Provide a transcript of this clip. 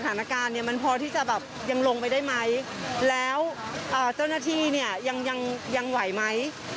สถานการณ์เนี่ยมันพอที่จะแบบยังลงไปได้ไหมแล้วเจ้าหน้าที่เนี่ยยังยังไหวไหม